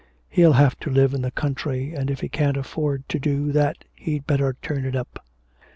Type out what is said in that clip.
He'll have to live in the country, and if he can't afford to do that he'd better turn it up.'